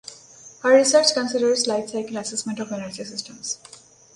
Her research considers life cycle assessment of energy systems.